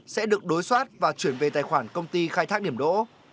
sẽ được đối soát và chuyển về tài khoản công ty khai thác điểm đỗ